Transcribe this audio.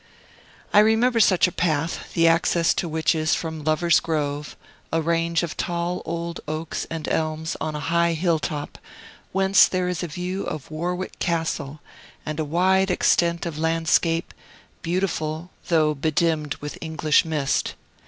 I remember such a path, the access to which is from Lovers' Grove, a range of tall old oaks and elms on a high hill top, whence there is a view of Warwick Castle, and a wide extent of landscape, beautiful, though bedimmed with English mist.